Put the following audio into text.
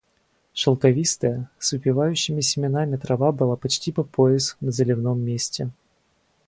Шелковистая с выспевающими семенами трава была почти по пояс на заливном месте.